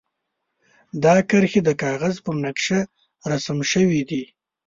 دا کرښې د کاغذ پر نقشه رسم شوي دي.